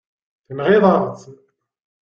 Tenɣiḍ-aɣ-tt.